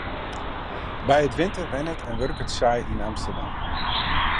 By 't winter wennet en wurket se yn Amsterdam.